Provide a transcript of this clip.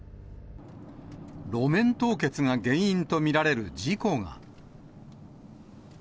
路面凍結が原因と見られる事故が。